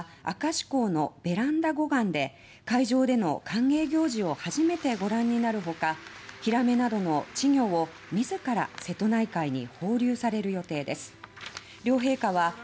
式典のあと両陛下は明石港のベランダ護岸で海上での歓迎行事を初めてご覧になる他ヒラメなどの稚魚を自ら瀬戸内海に放流される予定です。